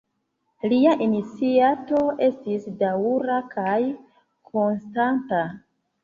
Lia iniciato estis daŭra kaj konstanta.